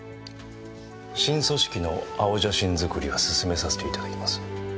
新組織の青写真作りは進めさせて頂きます。